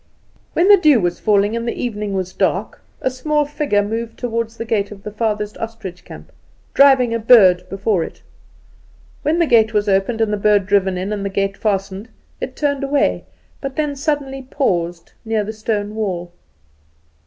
When the dew was falling, and the evening was dark, a small figure moved toward the gate of the furthest ostrich camp, driving a bird before it. When the gate was opened and the bird driven in and the gate fastened, it turned away, but then suddenly paused near the stone wall.